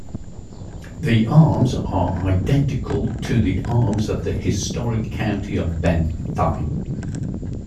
The arms are identical to the arms of the historic County of Bentheim.